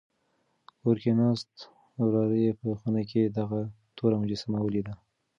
کور کې ناست وراره یې په خونه کې دغه توره مجسمه ولیده.